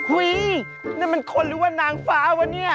นั่นมันคนหรือว่านางฟ้าวะเนี่ย